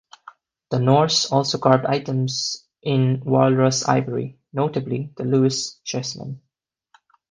The Norse also carved items in walrus ivory, notably the Lewis chessmen.